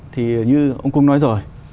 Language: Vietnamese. thì như ông cung nói rồi